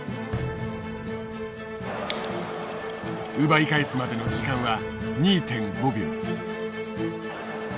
奪い返すまでの時間は２．５秒。